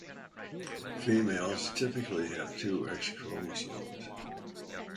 Females typically have two X chromosomes.